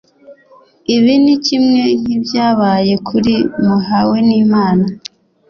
Ibi ni kimwe nk’ibyabaye kuri Muhawenimana